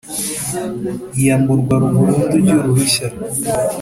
iyamburwa burundu ry uruhushya